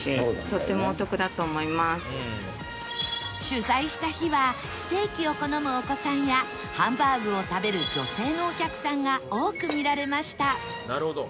取材した日はステーキを好むお子さんやハンバーグを食べる女性のお客さんが多く見られました